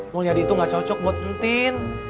mulia di itu nggak cocok buat nenek tin